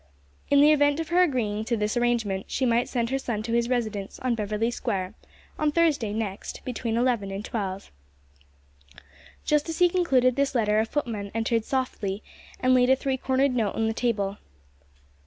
In the event of her agreeing to this arrangement, she might send her son to his residence in Beverly Square, on Thursday next, between eleven and twelve. Just as he concluded this letter a footman entered softly and laid a three cornered note on the table.